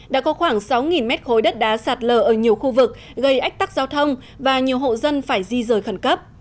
đã có khoảng sáu mét khối đất đá sạt lở ở nhiều khu vực gây ách tắc giao thông và nhiều hộ dân phải di rời khẩn cấp